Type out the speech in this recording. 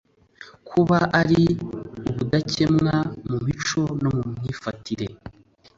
Kuba ari ibudakemwa mu mico no mu myifatire